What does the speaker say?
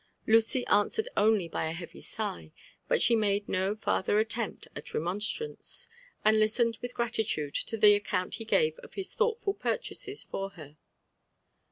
Lucy answered only by a heavy sigh ; but she made no farther attempt at remonstrance, and listened with gratitude to the account he gaye of his thoughtful purchases for ber.